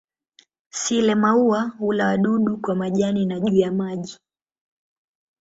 Sile-maua hula wadudu kwa majani na juu ya maji.